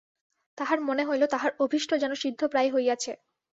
তাহার মনে হইল, তাহার অভীষ্ট যেন সিদ্ধপ্রায় হইয়াছে।